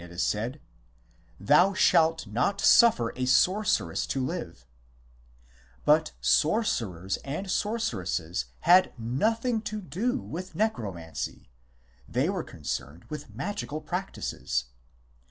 it is said :" Thou shalt not suffer a sorceress to live," but sorcerers and sorceresses had nothing to do with Necromancy ; they were concerned with magical practices.